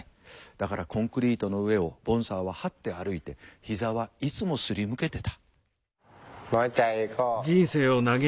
だからコンクリートの上をボンサーははって歩いて膝はいつもすりむけてた。